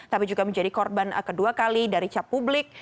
tapi juga menjadi korban kedua kali dari cap publik